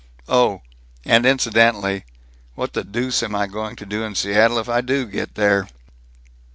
Oh! And incidentally, what the deuce am I going to do in Seattle if I do get there?"